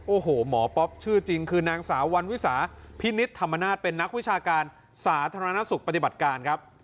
โอ้โหหมอป๊อปชื่อจริงคือนางสาววันวิสาพินิษฐ์ธรรมนาศเป็นนักวิชาการสาธารณสุขปฏิบัติการครับ